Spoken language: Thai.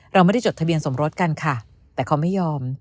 เราไม่ได้จดทะเบียนสมรสกันค่ะแต่เขาไม่ยอม